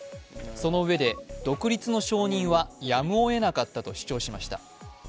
そのうえで、独立の承認はやむをえなかったと主張しました。